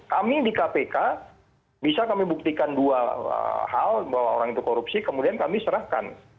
kami di kpk bisa kami buktikan dua hal bahwa orang itu korupsi kemudian kami serahkan